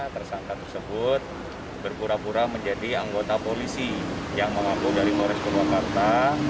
tersangka tersebut bergurah gurah menjadi anggota polisi yang mengaku dari polres purwakarta